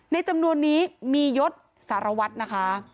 ในจำนวนนี้มียศสารวัตรนะคะ